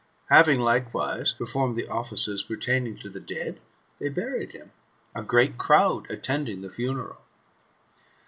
Having, likewise, performed the offices pertaining to the dead, they buried him, a great crowd attending the funeral.